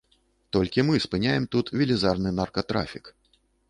Толькі мы спыняем тут велізарны наркатрафік.